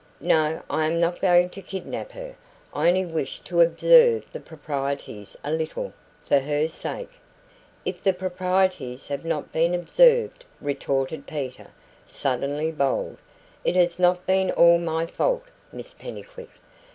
"No, I am not going to kidnap her; I only wish to observe the proprieties a little for her sake." "If the proprieties have not been observed," retorted Peter, suddenly bold, "it has not been ALL my fault, Miss Pennycuick."